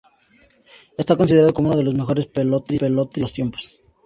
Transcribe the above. Está considerado como uno de los mejores pelotaris de todos los tiempos.